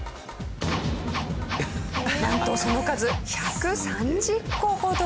なんとその数１３０個ほど！